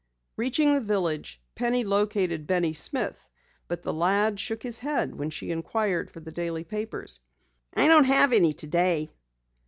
Reaching the village, Penny located Benny Smith, but the lad shook his head when she inquired for the daily papers. "I don't have any today."